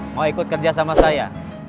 mau ikut kerja sama saya